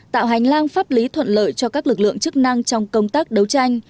tạo hành lang pháp lý thuận lợi cho các lực lượng chức năng trong công tác đấu tranh